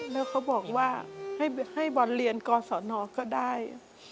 แล้วเขาบอกว่าให้บอลเรียนกศนก็ได้